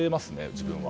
自分は。